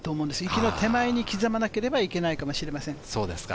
池の手前に刻まなければいけないかもしれません。